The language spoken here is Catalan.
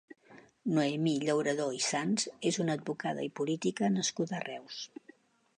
Noemí Llauradó i Sans és una advocada i política nascuda a Reus.